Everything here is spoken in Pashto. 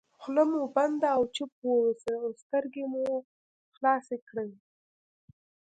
خوله مو بنده او چوپ واوسئ او سترګې مو خلاصې کړئ.